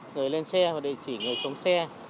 người lên xe hoặc địa chỉ người xuống xe